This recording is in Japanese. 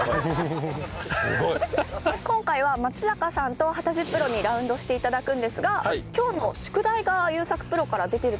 今回は松坂さんと幡地プロにラウンドしていただくんですが今日の宿題が優作プロから出てるという事ですが。